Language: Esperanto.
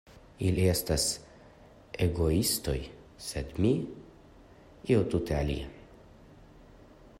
Ili estas egoistoj, sed mi -- io tute alia!